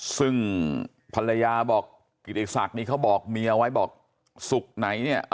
ซึ่งภรรยาบอกกิติศักดิ์นี่เขาบอกเมียไว้บอกศุกร์ไหนเนี่ย